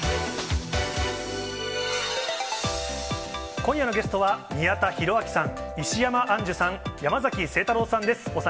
今夜のゲストは、宮田裕章さん、石山アンジュさん、山崎晴太郎さんです。